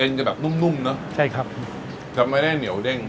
เองจะแบบนุ่มนุ่มเนอะใช่ครับจะมายก็เน๋วเด้ง